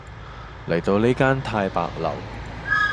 嚟到呢間太白樓